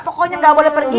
pokoknya nggak boleh pergi